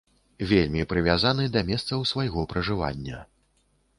Вельмі прывязаны да месцаў свайго пражывання.